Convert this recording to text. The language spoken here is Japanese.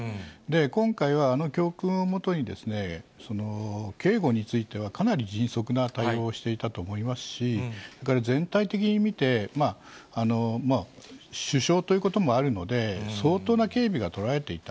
今回はあの教訓をもとに、警護についてはかなり迅速な対応をしていたと思いますし、それから全体的に見て、まあ、首相ということもあるので、相当な警備が取られていた。